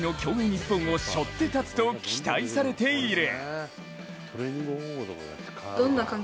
日本をしょって立つと期待されている。